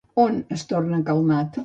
On es torna calmat?